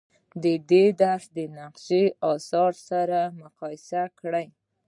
د دې درس د نقاشۍ اثار سره مقایسه کړئ.